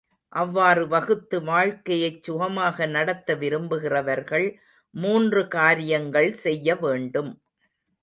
அவ்வாறு வகுத்து வாழ்க்கையைச் சுகமாக நடத்த விரும்புகிறவர்கள் மூன்று காரியங்கள் செய்ய வேண்டும்.